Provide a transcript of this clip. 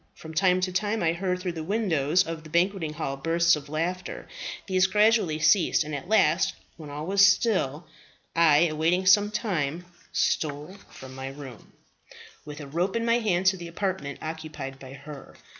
From time to time I heard through the windows of the banqueting hall bursts of laughter. These gradually ceased; and at last, when all was still, I, awaiting some time, stole from my room with a rope in my hand to the apartment occupied by her.